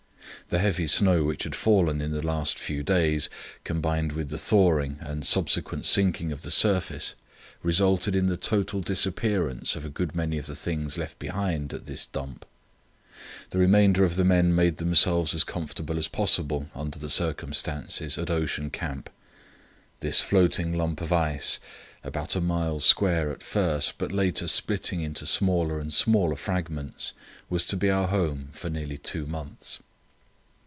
The heavy snow which had fallen in the last few days, combined with the thawing and consequent sinking of the surface, resulted in the total disappearance of a good many of the things left behind at this dump. The remainder of the men made themselves as comfortable as possible under the circumstances at Ocean Camp. This floating lump of ice, about a mile square at first but later splitting into smaller and smaller fragments, was to be our home for nearly two months.